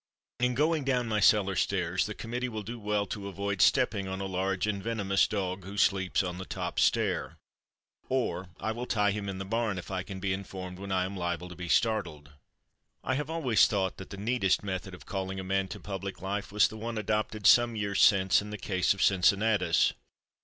In going down my cellar stairs the committee will do well to avoid stepping on a large and venomous dog who sleeps on the top stair. Or I will tie him in the barn if I can be informed when I am liable to be startled. I have always thought that the neatest method of calling a man to public life was the one adopted some years since in the case of Cincinnatus.